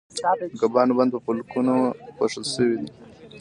د کبانو بدن په پولکونو پوښل شوی دی